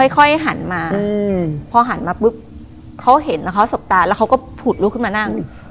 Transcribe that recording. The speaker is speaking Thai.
ค่อยหันมาพอหันมาปุ๊บเขาเห็นแล้วเขาสบตาแล้วเขาก็ผุดลุกขึ้นมานั่ง